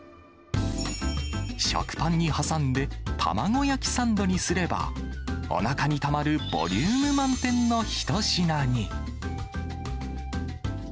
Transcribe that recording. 食パンに挟んで、卵焼きサンドにすれば、おなかにたまるボリューム満点の一品に。